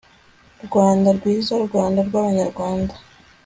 rwanda rwiza, rwanda rw'abanyarwanda